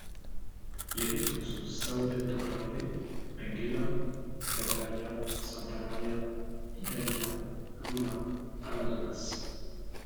Les rythmes sont São Bento grande, benguela, cavalaria, Santa Maria, Idalina, Iuna, Amazonas.